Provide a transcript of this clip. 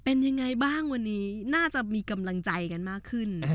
เป็นยังไงบ้างวันนี้น่าจะมีกำลังใจกันมากขึ้น